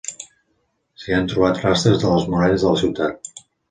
S'hi han trobat rastres de les muralles de la ciutat.